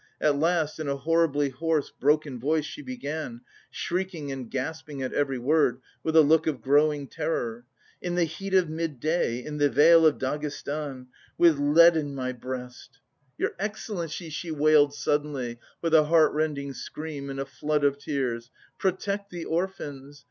At last, in a horribly hoarse, broken voice, she began, shrieking and gasping at every word, with a look of growing terror. "In the heat of midday!... in the vale!... of Dagestan!... With lead in my breast!..." "Your excellency!" she wailed suddenly with a heart rending scream and a flood of tears, "protect the orphans!